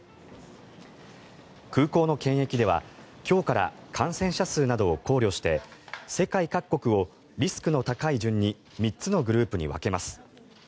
空港の検疫では今日から感染者数などを考慮して世界各国をリスクの高い順に３つのグループに分けます。